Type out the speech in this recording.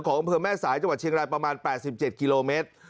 อำเภอแม่สายจังหวัดเชียงรายประมาณ๘๗กิโลเมตร